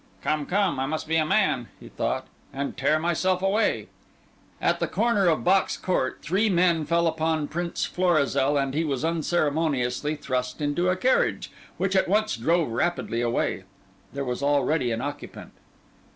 "Come, come, I must be a man," he thought, "and tear myself away." At the corner of Box Court three men fell upon Prince Florizel and he was unceremoniously thrust into a carriage, which at once drove rapidly away. There was already an occupant.